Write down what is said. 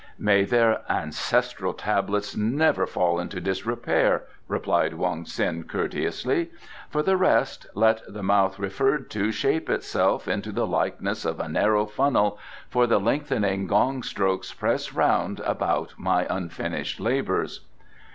"May their Ancestral Tablets never fall into disrepair," replied Wong Ts'in courteously. "For the rest let the mouth referred to shape itself into the likeness of a narrow funnel, for the lengthening gong strokes press round about my unfinished labours."